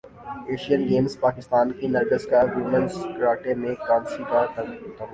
Asian Games Pakistan کی نرگس کا women's karate میں کانسی کا تمغہ